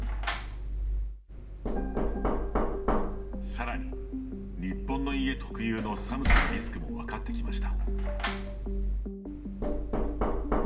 さらに、日本の家特有の寒さのリスクも分かってきました。